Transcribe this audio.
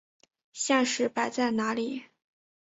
现实摆在哪里！